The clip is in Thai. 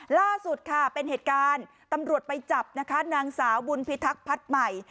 ล่าสุดค่ะเป็นเหตุการณ์ตำรวจไปจับนะคะนางสาวบุญพิทักษ์พัฒน์ใหม่